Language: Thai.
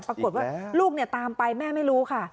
ปรากฏว่าลูกตามไปแม่ไม่รู้ค่ะ